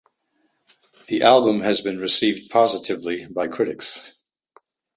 The album has been received positively by critics.